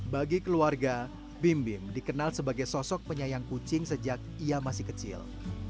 bagi keluarga bim bim dikenal sebagai sosok penyayang kucing sejak ia masih kecil